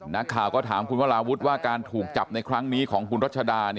นักข่าวก็ถามคุณวราวุฒิว่าการถูกจับในครั้งนี้ของคุณรัชดา